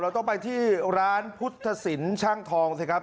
ต้องไปที่ร้านพุทธศิลป์ช่างทองสิครับ